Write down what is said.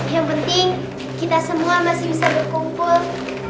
yang penting kita semua masih bisa berkumpul